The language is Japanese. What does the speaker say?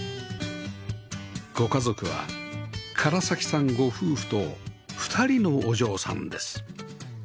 ご家族は唐さんご夫婦と２人のお嬢さんです